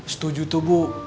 setuju tuh bu